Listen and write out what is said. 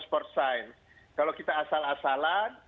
sport science kalau kita asal asalan